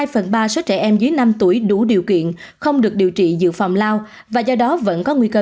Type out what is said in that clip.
hai phần ba số trẻ em dưới năm tuổi đủ điều kiện không được điều trị dự phòng lao và do đó vẫn có nguy cơ